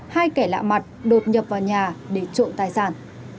hai kẻ lạ mặt đột nhập vào nhà để trộm tài sản